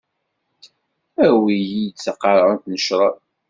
Awi-yi-d taqerɛunt n cṛab.